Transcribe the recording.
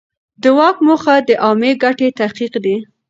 د واک موخه د عامه ګټې تحقق دی.